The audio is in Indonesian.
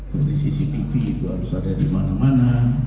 dari cctv itu harus ada di mana mana